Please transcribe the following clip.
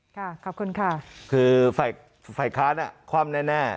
ค่ะขอบคุณค่ะคือฝ่ายค้าน่ะความแน่แน่